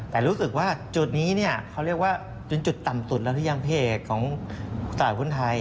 แต่รู้สึกว่าจุดนี้เขาเรียกว่าจุดต่ำสุดแล้วยังพี่เอกของตลาดหุ้นไทย